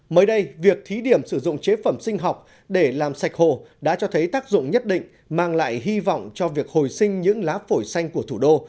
mới đây việc thí điểm sử dụng chế phẩm sinh học để làm sạch hồ đã cho thấy tác dụng nhất định mang lại hy vọng cho việc hồi sinh những lá phổi xanh của thủ đô